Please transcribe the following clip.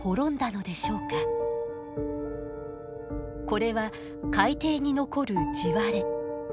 これは海底に残る地割れ。